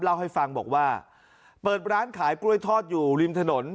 เล่าให้ฟังบอกว่าเปิดร้านขายกล้วยทอดอยู่ริมถนน